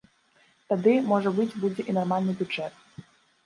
Тады, можа быць, будзе і нармальны бюджэт.